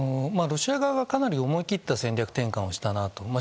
ロシア側はかなり思い切った戦略転換をしたなと。